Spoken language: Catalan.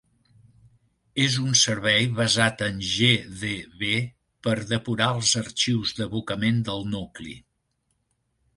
És un servei basat en GDB per depurar els arxius d'abocament del nucli.